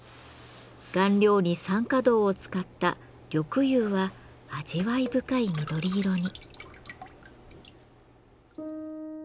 顔料に酸化銅を使った「緑釉」は味わい深い緑色に。